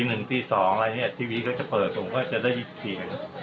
เงียบเชียบเลย